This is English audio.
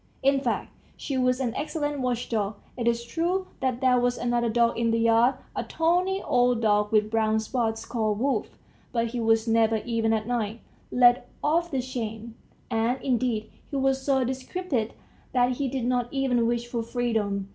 ... In fact, she was an excellent watch dog. It is true that there was another dog in the yard, a tawny old dog with brown spots, called Wolf, but he was never, even at night, let off the chain; and, indeed, he was so decrepit that he did not even wish for freedom.